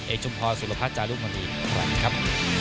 เอกชุมพอร์สุรพัชย์จารุมณีขอบคุณครับ